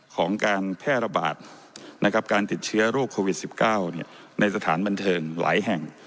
ของการแพร่ระบาดการติดเชื้อโรคโควิด๑๙ในสถานบันเทิงหลายแห่ง